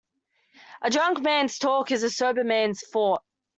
A drunk man's talk is a sober man's thought.